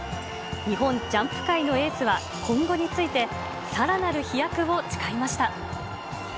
日本ジャンプ界のエースは、今後についてさらなる飛躍を誓いました。